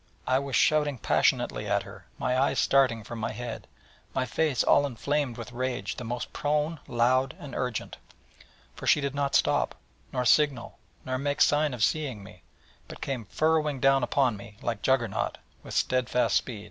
I was shouting passionately at her, my eyes starting from my head, my face all inflamed with rage the most prone, loud and urgent. For she did not stop, nor signal, nor make sign of seeing me, but came furrowing down upon me like Juggernaut, with steadfast run.